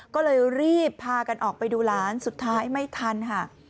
ก็เลยรีบพากันออกไปดูหลานสุดท้ายไม่ทันค่ะ